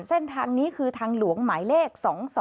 เส้นทางนี้คือทางหลวงหมายเลข๒๒